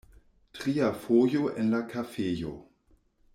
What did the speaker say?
Tria fojo en la kafejo.